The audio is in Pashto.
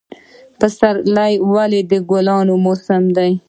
پسرلی ولې د ګلانو موسم دی؟